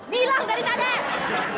bilang dari tadi